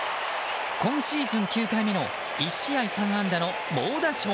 今シーズン９回目の１試合３安打の猛打賞。